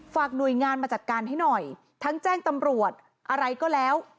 หน่วยงานมาจัดการให้หน่อยทั้งแจ้งตำรวจอะไรก็แล้ว